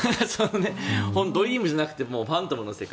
ドリームじゃなくてファントムの世界。